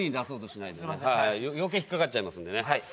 余計引っ掛かっちゃいますんでね。